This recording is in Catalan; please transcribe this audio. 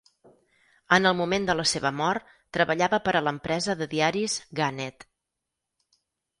En el moment de la seva mort, treballava per a l'empresa de diaris Gannett.